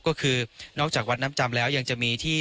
ก็คือนอกจากวัดน้ำจำแล้วยังจะมีที่